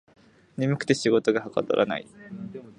眠くて仕事がはかどらない